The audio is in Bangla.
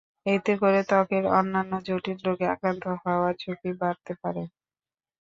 এতে করে ত্বকের অন্যান্য জটিল রোগে আক্রান্ত হওয়ার ঝুঁকি বাড়তে পারে।